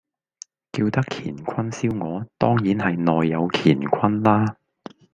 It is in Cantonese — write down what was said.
叫得乾坤燒鵝，當然係內有乾坤啦